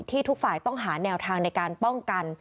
ทุกฝ่ายต้องหาแนวทางในการป้องกัน